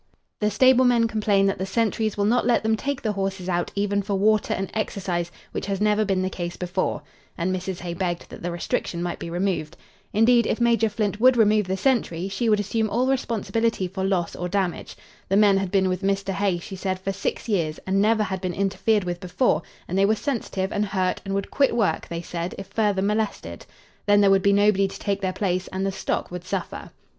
"The stablemen complain that the sentries will not let them take the horses out even for water and exercise, which has never been the case before," and Mrs. Hay begged that the restriction might be removed. Indeed, if Major Flint would remove the sentry, she would assume all responsibility for loss or damage. The men had been with Mr. Hay, she said, for six years and never had been interfered with before, and they were sensitive and hurt and would quit work, they said, if further molested. Then there would be nobody to take their place and the stock would suffer.